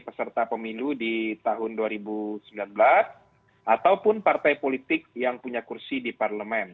peserta pemilu di tahun dua ribu sembilan belas ataupun partai politik yang punya kursi di parlemen